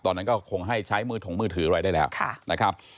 ตอนนั้นก็คงให้ใช้มือถงมือถืออะไรได้แล้วนะครับ